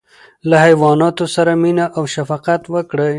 له حیواناتو سره مینه او شفقت وکړئ.